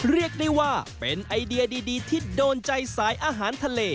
เรียกได้ว่าเป็นไอเดียดีที่โดนใจสายอาหารทะเล